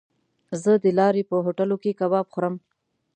زه د لارې په هوټلو کې کباب خورم.